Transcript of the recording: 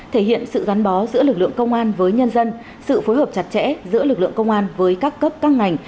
thể hiện sự gắn bó giữa lực lượng công an với nhân dân sự phối hợp chặt chẽ giữa lực lượng công an với các cấp các ngành